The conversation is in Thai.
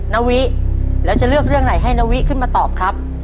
นาวิแล้วจะเลือกเรื่องไหนให้นาวิขึ้นมาตอบครับ